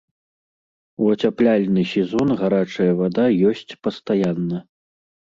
У ацяпляльны сезон гарачая вада ёсць пастаянна.